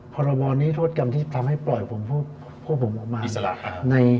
ผลวรณ์นี้ทธกรรมที่ทำให้ปล่อยผู้ผู้ผมออกมา